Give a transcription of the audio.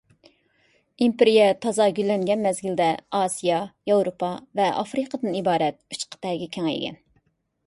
ئىمپېرىيە تازا گۈللەنگەن مەزگىلدە، ئاسىيا، ياۋروپا ۋە ئافرىقىدىن ئىبارەت ئۈچ قىتئەگە كېڭەيگەن.